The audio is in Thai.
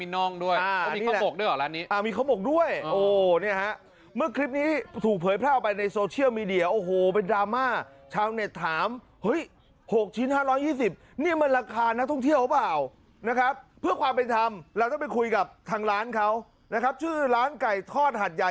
นี่คือร้านไก่ทอดหัดใหญ่มีนา